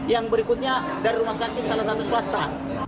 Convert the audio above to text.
yang berikutnya dari rumah sakit salah satu swasta